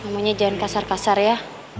pokoknya jangan kasar kasar ya